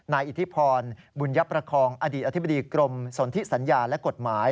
อิทธิพรบุญยประคองอดีตอธิบดีกรมสนทิสัญญาและกฎหมาย